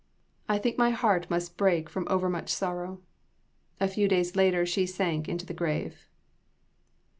I think my heart must break from overmuch sorrow." A few days later she sank into the grave.